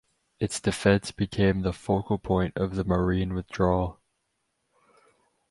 Its defense became the focal point of the Marine withdrawal.